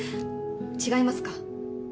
違いますか？